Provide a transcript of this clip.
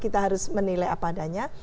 kita harus menilai apa adanya